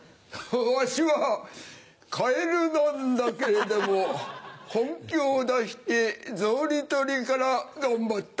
わしはカエルなんだけれども本気を出して草履取りから頑張った。